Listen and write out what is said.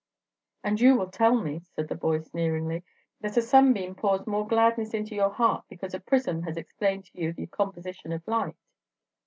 "And will you tell me," said the boy, sneeringly, "that a sunbeam pours more gladness into your heart because a prism has explained to you the composition of light?"